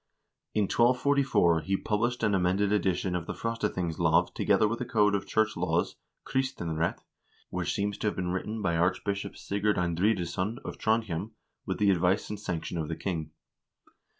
In 1244 he published an amended edition of the "Frostathingslov" together with a code of church laws (kristenret) which seems to have been written by Archbishop Sigurd Eindridesson of Trondhjem with the advice and sanction of the king.